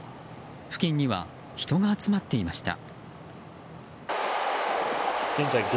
付近には人が集まっていました。